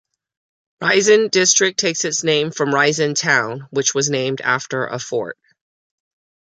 Raisen District takes its name from Raisen town, which is named after a fort.